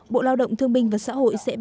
bộ lao động thương minh và xã hội sẽ báo